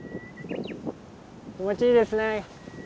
気持ちいいですね。